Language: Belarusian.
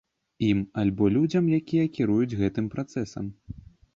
Ім альбо людзям, якія кіруюць гэтым працэсам.